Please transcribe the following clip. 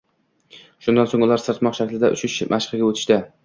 Shundan so‘ng ular sirtmoq shaklida uchish mashqiga o‘tishdi.